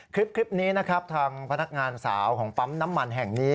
คลิปนี้นะครับทางพนักงานสาวของปั๊มน้ำมันแห่งนี้